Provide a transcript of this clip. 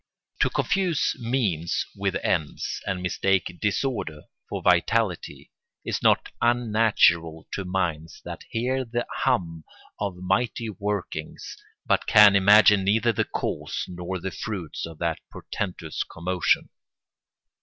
] To confuse means with ends and mistake disorder for vitality is not unnatural to minds that hear the hum of mighty workings but can imagine neither the cause nor the fruits of that portentous commotion.